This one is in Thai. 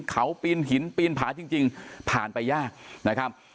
เขาปีนหินปีนผาจริงผ่านไปยากนะครับ